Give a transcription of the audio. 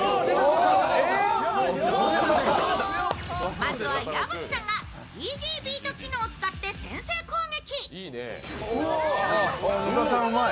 まずは矢吹さんがイージービート機能を使って先制攻撃。